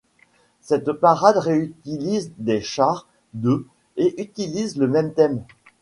Cette parade réutilise des chars de ' et utilise le même thème.